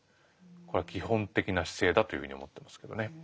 これは基本的な姿勢だというふうに思ってますけどね。